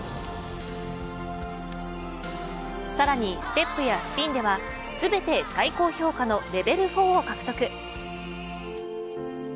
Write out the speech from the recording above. さらにステップやスピンでは全て最高評価のレベル４を獲得。